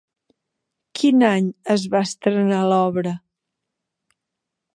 Quin any es va estrenar l'obra?